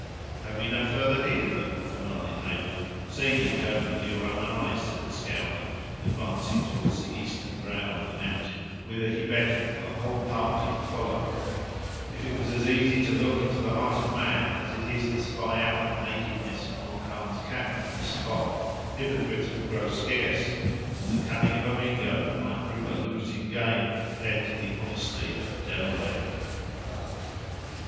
"Have we no further need of them?" demanded Heyward. "See, and judge with your own eyes," said the scout, advancing toward the eastern brow of the mountain, whither he beckoned for the whole party to follow; "if it was as easy to look into the heart of man as it is to spy out the nakedness of Montcalm's camp from this spot, hypocrites would grow scarce, and the cunning of a Mingo might prove a losing game, compared to the honesty of a Delaware."